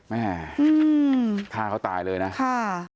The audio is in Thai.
แม่ฆ่าเขาตายเลยนะค่ะ